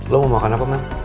lo mau makan apa mas